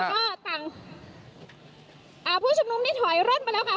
ต่างอ่าผู้ชมนุมนี่ถอยเริ่มไปแล้วค่ะ